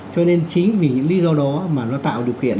cho nên chính vì những lý do đó mà nó tạo điều kiện